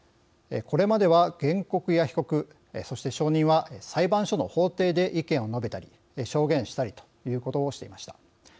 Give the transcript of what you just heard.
これまでは原告や被告そして、証人は裁判所の法廷で意見を述べたり証言したりということをしていました。